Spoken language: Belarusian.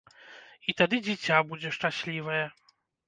І тады дзіця будзе шчаслівае.